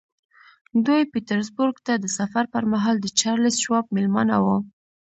دوی پیټرزبورګ ته د سفر پر مهال د چارلیس شواب مېلمانه وو